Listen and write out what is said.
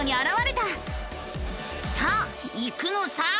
さあ行くのさ！